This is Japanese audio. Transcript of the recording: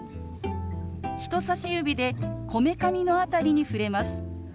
人さし指でこめかみの辺りに触れます。